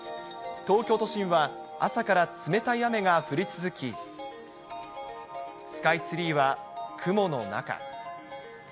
東京都心は朝から冷たい雨が降り続き、スカイツリーは雲の中。